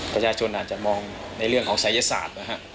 ประชาชนอาจจะมองในเรื่องของศัยศาสตร์นะฮะ